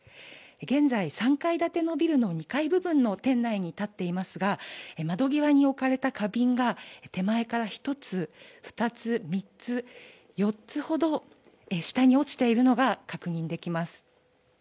現在、３階建てのビルの２階部分の店内に立っていますが、窓際に置かれた花瓶が手前から１つ、２つ、３つ、４つほど下に落ちているのが確認できます。